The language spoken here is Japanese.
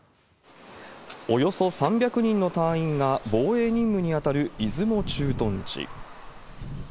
およそ３００人の隊員が防衛任務に当たる出雲駐屯地。